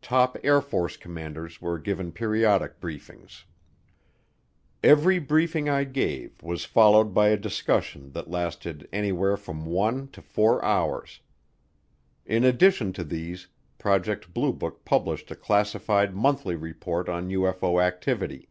Top Air Force commanders were given periodic briefings. Every briefing I gave was followed by a discussion that lasted anywhere from one to four hours. In addition to these, Project Blue Book published a classified monthly report on UFO activity.